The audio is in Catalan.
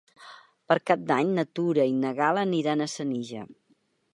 Per Cap d'Any na Tura i na Gal·la aniran a Senija.